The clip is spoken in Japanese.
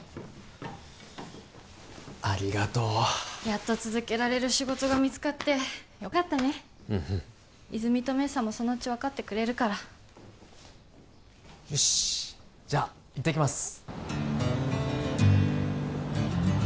やっと続けられる仕事が見つかってよかったね泉実と明紗もそのうち分かってくれるからよしじゃあ行ってきます